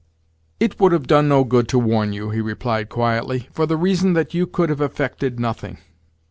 "It would have done no good to warn you," he replied quietly, "for the reason that you could have effected nothing.